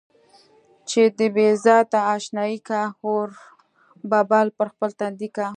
چې د بې ذاته اشنايي کا، اور به بل پر خپل تندي کا.